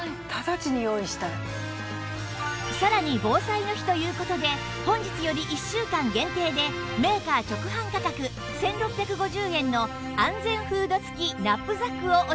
さらに防災の日という事で本日より１週間限定でメーカー直販価格１６５０円の安全フード付きナップザックをお付けします